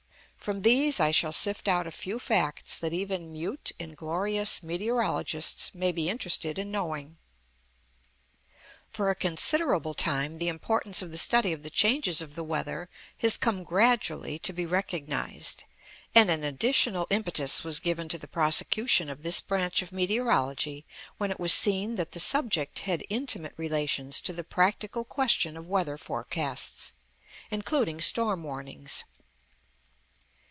From these I shall sift out a few facts that even "mute, inglorious" meteorologists may be interested in knowing. For a considerable time the importance of the study of the changes of the weather has come gradually to be recognised, and an additional impetus was given to the prosecution of this branch of meteorology when it was seen that the subject had intimate relations to the practical question of weather forecasts, including storm warnings.